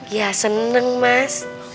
ya seneng mas